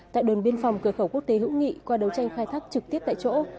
tại đồn biên phòng cửa khẩu quốc tế hữu nghị qua đấu tranh khai thác trực tiếp tại chỗ